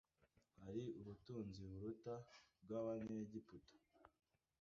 ari ubutunzi buruta ubw’Abanyegiputa